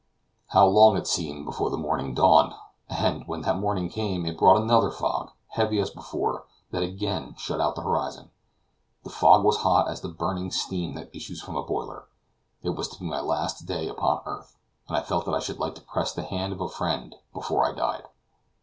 How long it seemed before the morning dawned! and when that morning came it brought another fog, heavy as before, that again shut out the horizon. The fog was hot as the burning steam that issues from a boiler. It was to be my last day upon earth, and I felt that I should like to press the hand of a friend before I died.